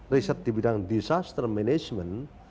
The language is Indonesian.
riset di bidang disaster management